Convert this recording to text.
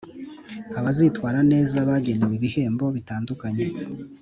Abazitwara neza bagenewe ibihembo bitandukanye